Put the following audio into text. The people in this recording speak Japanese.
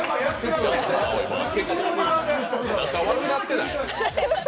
仲悪くなってない？